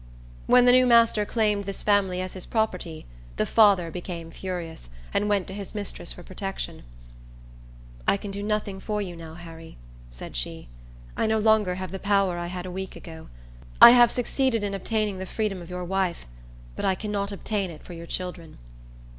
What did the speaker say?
When the new master claimed this family as his property, the father became furious, and went to his mistress for protection. "I can do nothing for you now, Harry," said she. "I no longer have the power I had a week ago. I have succeeded in obtaining the freedom of your wife; but I cannot obtain it for your children."